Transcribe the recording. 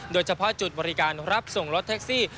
โดยเฉพาะจุดบริการรับส่งรถแท็กซี่